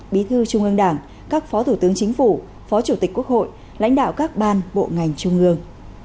bí thư trung ương đảng các phó thủ tướng chính phủ phó chủ tịch quốc hội lãnh đạo các ban bộ ngành trung ương